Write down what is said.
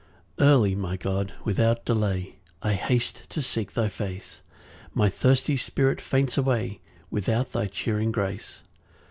1 Early, my God, without delay I haste to seek thy face; My thirsty spirit faints away, Without thy cheering grace.